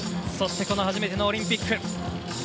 そして、初めてのオリンピック。